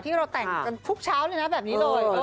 เราแต่งกันทุกเช้าเลยนะแบบนี้เลย